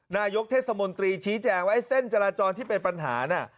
นายกเทศมนตรีชี้แจงว่าไอ้เส้นจราจรที่เป็นปัญหาน่ะ